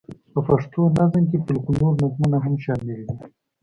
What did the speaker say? په پښتو نظم کې فوکلوري نظمونه هم شامل دي.